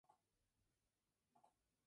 Jugó como receptor con los Boston Red Sox.